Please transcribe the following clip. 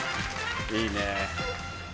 いいね。